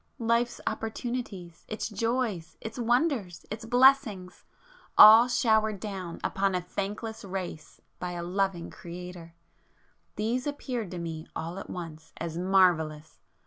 Life's opportunities,—its joys, its wonders, its blessings, all showered down upon a thankless race by a loving Creator,—these appeared to me all at once as marvellous!